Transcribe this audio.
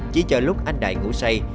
chỉ cho lúc anh đại ngủ say